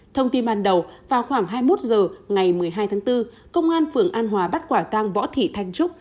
thông tin ban đầu vào khoảng hai mươi một h ngày một mươi hai tháng bốn công an phường an hòa bắt quả tang võ thị thanh trúc